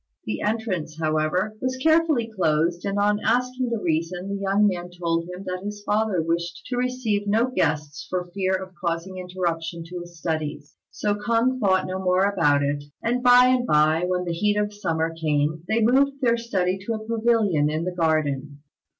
The entrance, however, was carefully closed; and on asking the reason, the young man told him that his father wished to receive no guests for fear of causing interruption to his studies. So K'ung thought no more about it; and by and by, when the heat of summer came on, they moved their study to a pavilion in the garden.